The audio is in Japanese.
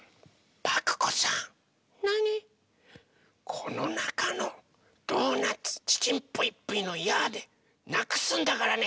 このなかのドーナツ「ちちんぷいぷいのやあ！」でなくすんだからね！